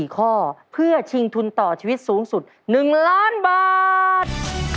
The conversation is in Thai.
๔ข้อเพื่อชิงทุนต่อชีวิตสูงสุด๑ล้านบาท